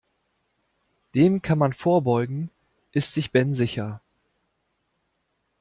Dem kann man vorbeugen, ist sich Ben sicher.